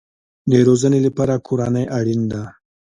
د روزنې لپاره کورنۍ اړین ده